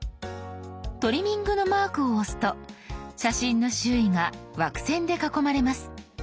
トリミングのマークを押すと写真の周囲が枠線で囲まれます。